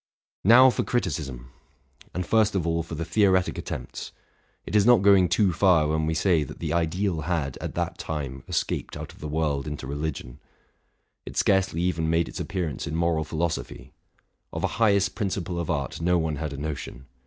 Now for criticism! and first of all for the theoretic at tempts. It is not going too far when we say that the ideal had, at that time, escaped out of the world into religion ; it scarcely even made its appearance in moral philosophy ; of a highest principle of art no one had a notion.